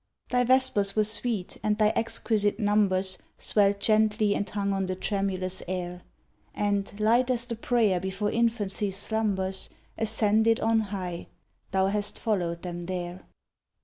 Thy vespers were sweet and thy exquisite numbers Swelled gently and hung on the tremulous air, And, light as the prayer before infancy's slumbers, Ascended on high thou hast followed them there.